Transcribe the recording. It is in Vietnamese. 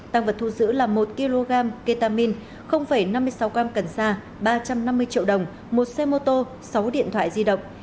tăng vật thu giữ là một kg ketamine năm mươi sáu g cần sa ba trăm năm mươi triệu đồng một xe mô tô sáu điện thoại di động